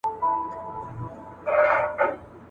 د مېړه له بدرنګیه کړېدله ..